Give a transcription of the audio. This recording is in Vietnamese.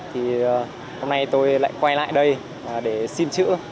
thì hôm nay tôi lại quay lại đây để xin chữ